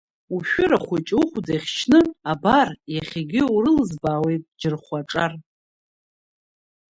Ушәыра хәыҷы ухәда иахшьны, абар, иахьагьы урылызбаауеит Џьырхәа аҿар.